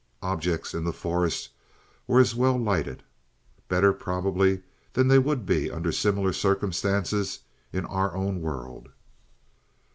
Objects in the forest were as well lighted better probably than they would be under similar circumstances in our own world.